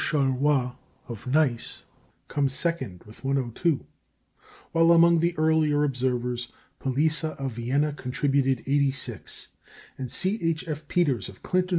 Charlois of Nice comes second with 102; while among the earlier observers Palisa of Vienna contributed 86, and C. H. F. Peters of Clinton (N.